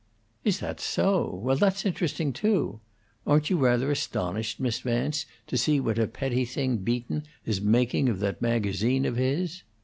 "Is that so? Well, that's interesting, too. Aren't you rather astonished, Miss Vance, to see what a petty thing Beaton is making of that magazine of his?"